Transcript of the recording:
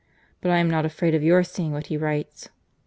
But I am not afraid of your seeing what he writes."